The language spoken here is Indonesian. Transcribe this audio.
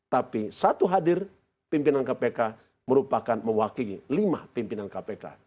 tapi satu hadir pimpinan kpk merupakan mewakili lima pimpinan kpk